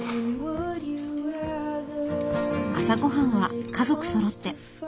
朝ごはんは家族そろって。